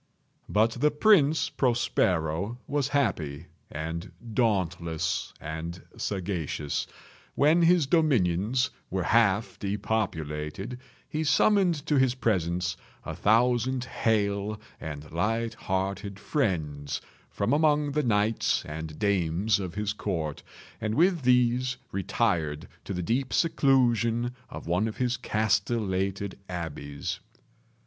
But the Prince Prospero was happy and dauntless and sagacious. When his dominions were half depopulated, he summoned to his presence a thousand hale and light hearted friends from among the knights and dames of his court, and with these retired to the deep seclusion of one of his castellated abbeys.